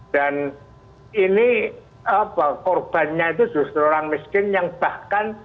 dan ini korbannya itu justru orang miskin yang bahkan